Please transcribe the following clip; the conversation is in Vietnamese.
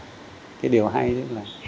cái điều hay nhất là